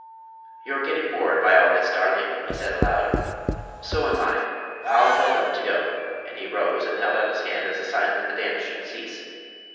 "You're getting bored by all this, darling," he said aloud; "so am I. I'll tell them to go." And he rose and held out his hand as a sign that the dance should cease.